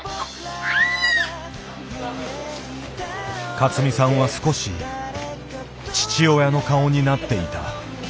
勝美さんは少し父親の顔になっていた。